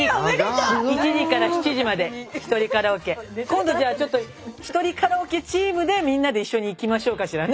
今度じゃあ１人カラオケチームでみんなで一緒に行きましょうかしらね。